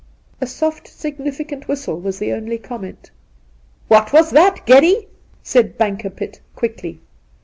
A soft significant whistle was the only com ment. ' What was that, Geddy ?' said Bankerpitt quickly.